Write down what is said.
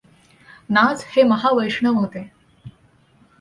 नाथ हे महावैष्णव होते.